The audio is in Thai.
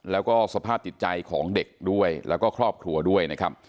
แล้วก็สภาพจิตใจของเด็กด้วยแล้วก็ครอบครัวด้วยนะครับ